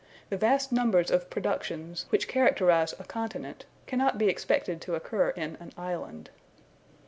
The vast numbers of productions, which characterize a continent, cannot be expected to occur in an island.